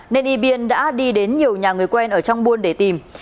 nên y biên đã đi đến nhiều nhà người quen ở trong buôn để tìm